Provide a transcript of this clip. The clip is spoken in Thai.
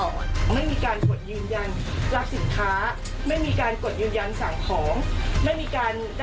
ไม่มีการกดยืนยันรักษิตค้า